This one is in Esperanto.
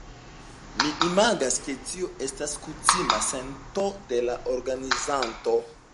Mi imagas, ke tio estas kutima sento de la organizantoj.